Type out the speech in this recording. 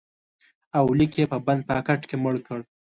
اولیک یې په بند پاکټ کې مړ کړ